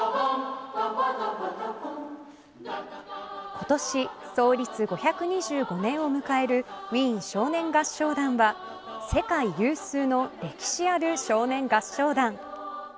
今年、創立５２５年を迎えるウィーン少年合唱団は世界有数の歴史ある少年合唱団。